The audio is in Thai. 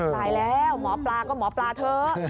ตายแล้วหมอปลาก็หมอปลาเถอะ